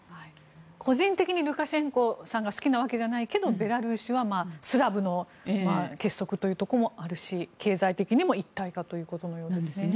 個人的にルカシェンコさんが好きなわけではないけどベラルーシは、スラブの結束というところもあるし経済的にも一体化ということですね。